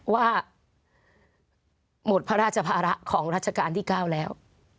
ว่าหมดพระราชภาระของรัชกาลที่๙แล้ว